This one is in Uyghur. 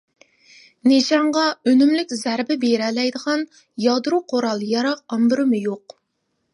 نىشانغا ئۈنۈملۈك زەربە بېرەلەيدىغان يادرو قورال-ياراغ ئامبىرىمۇ يوق.